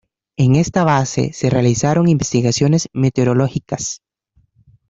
En esta base se realizaron investigaciones meteorológicas.